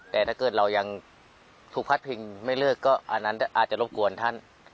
แต่ถ้าเกิดเรายังถูกพัดพิงไม่เลิกก็อันนั้นอาจจะรบกวนท่าน